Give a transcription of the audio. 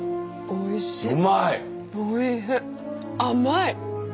おいしい。